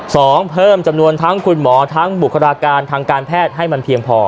สองเพิ่มจำนวนทั้งคุณหมอทั้งบุคลากรทางการแพทย์ให้มันเพียงพอ